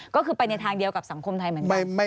ก็คือไปในทางเดียวกับสังคมไทยเหมือนกัน